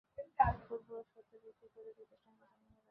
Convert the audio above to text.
ফুটবলের স্বত্ব বিক্রি করেই প্রতিষ্ঠানটির সিংহভাগ আয় হয়।